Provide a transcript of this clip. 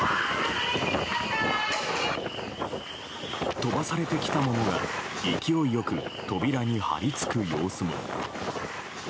飛ばされてきたものが勢いよく扉に張り付く様子も。